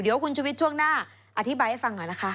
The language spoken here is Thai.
เดี๋ยวคุณชุวิตช่วงหน้าอธิบายให้ฟังหน่อยนะคะ